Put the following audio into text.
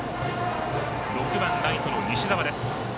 ６番、ライトの西澤です。